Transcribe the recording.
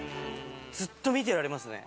ずっと見てられますね。